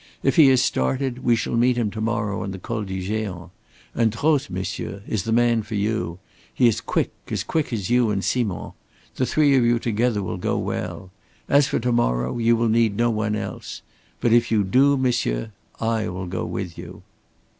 If he has started, we shall meet him to morrow on the Col du Géant. And Droz, monsieur, is the man for you. He is quick, as quick as you and Simond. The three of you together will go well. As for to morrow, you will need no one else. But if you do, monsieur, I will go with you."